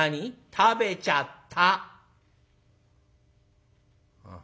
『食べちゃった』。